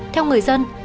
theo người dân